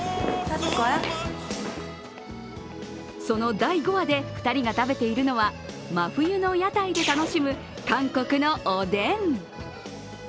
その第５話で２人が食べているのは真冬の屋台で楽しむ韓国のおでん。